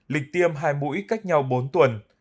lịch tiêm hai mũi cách nhau bốn tuần